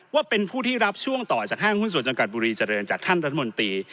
ว่าเป็นผู้ที่รับช่วงต่อจากห้างหุ้นส่วนจำกัดบุรีเจริญจากท่านรัฐมนตรี